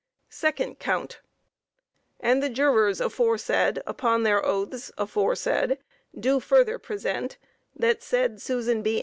Second Count And the jurors aforesaid upon their oaths aforesaid do further present that said Susan B.